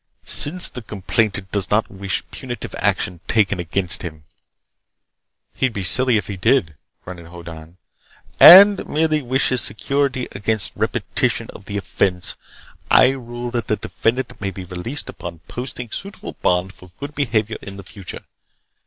Since the complainant does not wish punitive action taken against him—" "He'd be silly if he did," grunted Hoddan. "And merely wishes security against repetition of the offense, I rule that the defendant may be released upon posting suitable bond for good behavior in the future.